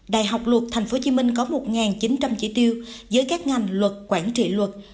đại học luật tp hcm có một chín trăm linh chỉ tiêu giới các ngành luật quản trị luật